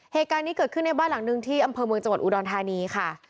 เหตุการณ์นี้เกิดขึ้นในบ้านหลังนึงที่อำเภอเมืองจังหวัดอุดรธานีค่ะ